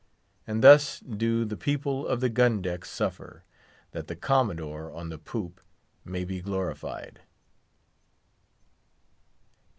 And thus do the people of the gun deck suffer, that the Commodore on the poop may be glorified.